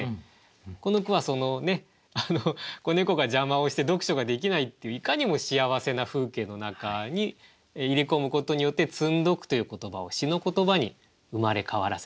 この句は子猫が邪魔をして読書ができないっていういかにも幸せな風景の中に入れ込むことによって「積ん読」という言葉を詩の言葉に生まれ変わらせた。